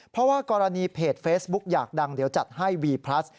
เพราะว่ากรณีเพจเฟซบุ๊กอยากดังเดี๋ยวจัดให้วีพลัส